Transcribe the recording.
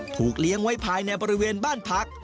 เลี้ยงไว้ภายในบริเวณบ้านพัก